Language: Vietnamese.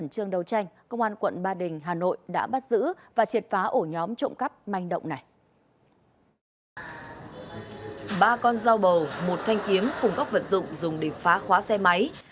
ba con dao bầu một thanh kiếm cùng các vật dụng dùng để phá khóa xe máy